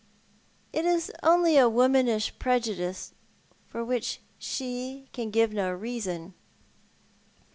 It is only a womanish prejudice for which she can give no reason.